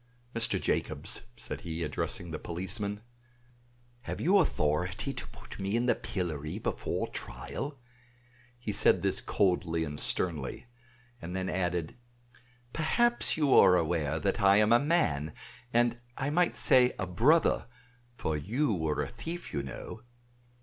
"Mr. Jacobs," said he, addressing the policeman, "have you authority to put me in the pillory before trial?" He said this coldly and sternly; and then added, "Perhaps you are aware that I am a man, and I might say a brother, for you were a thief, you know!"